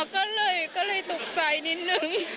ก็เลยตกใจนิดนึง